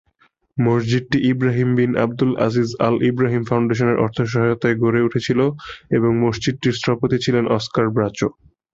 মসজিদটি Ibrahim bin Abdul Aziz Al Ibrahim ফাউন্ডেশনের অর্থ সহায়তায় গড়ে উঠেছিল এবং মসজিদটির স্থপতি ছিলেন অস্কার ব্রাচো।